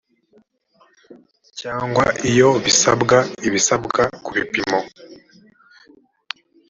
cyangwa iyo bisabwa ibisabwa ku bipimo